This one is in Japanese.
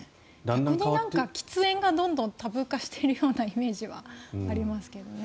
逆に喫煙がどんどんタブー化しているイメージはありますけどね。